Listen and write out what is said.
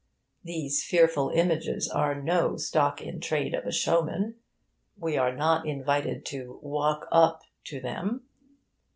These fearful images are no stock in trade of a showman; we are not invited to 'walk up' to them.